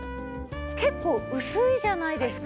結構薄いじゃないですか。